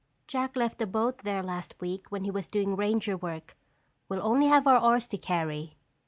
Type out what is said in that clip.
"Jack left a boat there last week when he was doing ranger work. We'll only have our oars to carry."